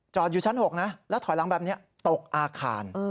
อยู่ชั้น๖นะแล้วถอยหลังแบบนี้ตกอาคาร